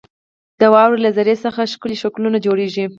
• د واورې له ذرې څخه ښکلي شکلونه جوړېږي.